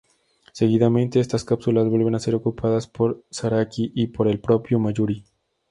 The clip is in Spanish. Seguidamente, estas cápsulas vuelven a ser ocupadas por Zaraki y por el propio Mayuri.